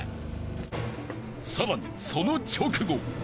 ［さらにその直後］